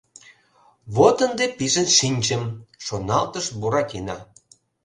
«Вот ынде пижын шинчым!» – шоналтыш Буратино.